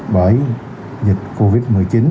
bởi dịch covid một mươi chín